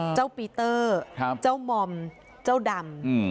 เจ้าปีเตอร์เจ้ามอมเจ้าดำ